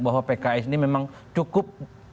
bahwa pks ini memang cukup